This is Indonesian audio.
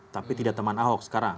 tapi tidak teman ahok sekarang